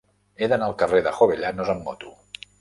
He d'anar al carrer de Jovellanos amb moto.